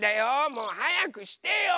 もうはやくしてよ。